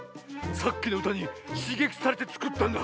さっきのうたにしげきされてつくったんだ。